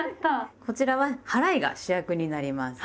こちらは「はらい」が主役になります。